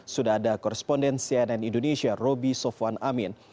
sudah ada koresponden cnn indonesia roby sofwan amin